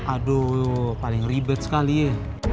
aduh paling ribet sekali ya